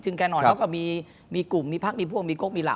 ซึ่งแน่นอนเขาก็มีกลุ่มมีพักมีพวกมีก๊กมีเหล่า